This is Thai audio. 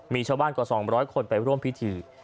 มีชาวบ้านกว่า๒๐๐คนไปร่วมพิธี